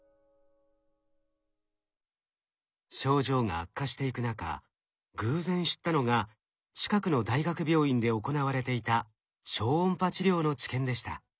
症状が悪化していく中偶然知ったのが近くの大学病院で行われていた超音波治療の治験でした。